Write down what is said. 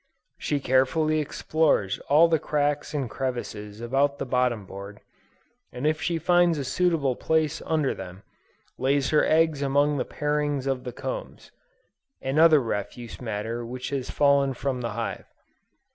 She carefully explores all the cracks and crevices about the bottom board, and if she finds a suitable place under them, lays her eggs among the parings of the combs, and other refuse matter which has fallen from the hive.